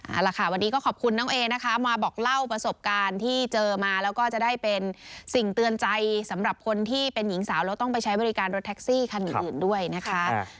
เอาละค่ะวันนี้ก็ขอบคุณน้องเอนะคะมาบอกเล่าประสบการณ์ที่เจอมาแล้วก็จะได้เป็นสิ่งเตือนใจสำหรับคนที่เป็นหญิงสาวแล้วต้องไปใช้บริการรถแท็กซี่คันอื่นด้วยนะคะ